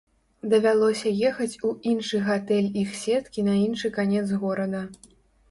Давялося ехаць у іншы гатэль іх сеткі на іншы канец горада.